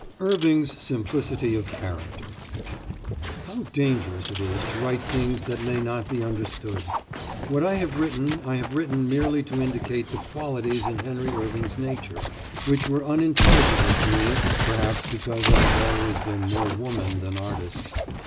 IRVING'S SIMPLICITY OF CHARACTER How dangerous it is to write things that may not be understood! What I have written I have written merely to indicate the qualities in Henry Irving's nature which were unintelligible to me, perhaps because I have always been more woman than artist.